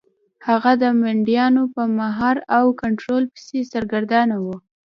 هغه د مینډیانو په مهار او کنټرول پسې سرګردانه و.